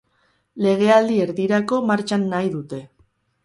Legealdi erdirako martxan nahi dute.